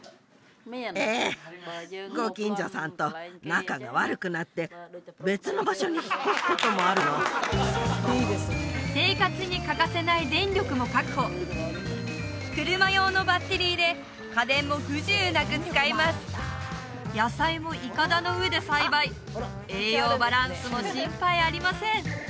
ええご近所さんと仲が悪くなって別の場所に引っ越すこともあるの生活に欠かせない電力も確保車用のバッテリーで家電も不自由なく使えます野菜もいかだの上で栽培栄養バランスも心配ありません